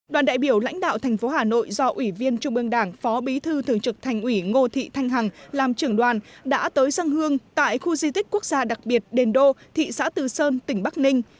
đoàn đại biểu lãnh đạo thành phố hà nội do ủy viên trung ương đảng phó bí thư thường trực thành ủy ngô thị thanh hằng làm trưởng đoàn đã tới dân hương tại khu di tích quốc gia đặc biệt đền đô thị xã từ sơn tỉnh bắc ninh